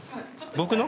僕の？